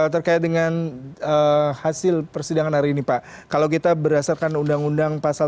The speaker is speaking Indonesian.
terkait dengan hasil persidangan hari ini pak kalau kita berdasarkan undang undang pasal tiga ratus empat puluh